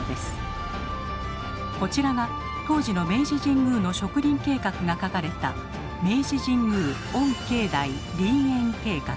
こちらが当時の明治神宮の植林計画が書かれた「明治神宮御境内林苑計画」。